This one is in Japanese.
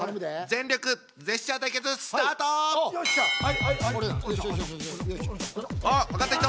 全力ジェスチャー対決スタート！おっ分かった人！